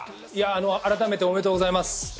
改めておめでとうございます。